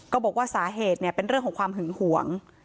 บอกว่าสาเหตุเป็นเรื่องของความหึงหวง